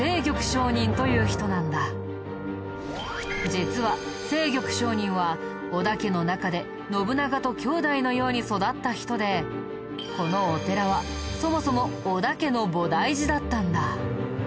実は清玉上人は織田家の中で信長と兄弟のように育った人でこのお寺はそもそも織田家の菩提寺だったんだ。